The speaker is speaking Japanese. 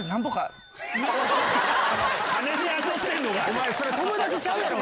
お前それ友達ちゃうやろ！